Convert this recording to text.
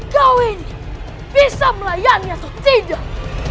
kau ini bisa melayani atau tidak